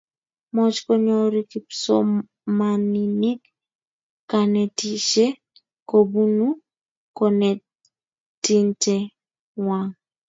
moch konyoru kipsomaninik kanetishe kobunuu konetinte ngwany